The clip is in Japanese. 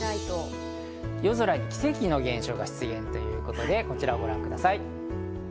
夜空に奇跡の現象が出現！？ということで、こちらをご覧ください。